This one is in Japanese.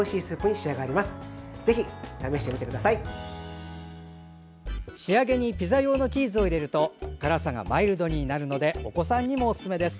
仕上げにピザ用のチーズを入れると辛さがマイルドになるのでお子さんにもおすすめです。